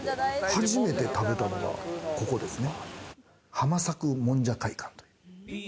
初めて食べたのがここですね。